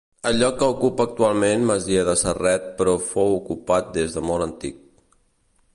El lloc que ocupa actualment Masia de Serret però fou ocupat des de molt antic.